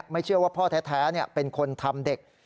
ไม่เชื่อว่าพ่อแท้เป็นคนทำเด็ก